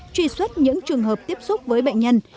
truy xuất những trường hợp tiếp xúc với bệnh nhân